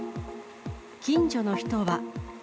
近所の人は。